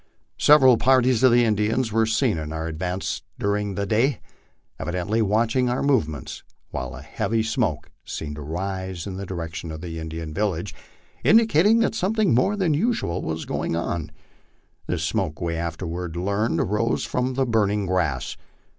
Several parties of Indians were seen in our advance during the day, evidently watching our movements; while a heavy smoke, seen to rise in the direction of the Indian village, indicated that some thing more than usual was going on. This smoke we afterwards learned arose from the burning grass.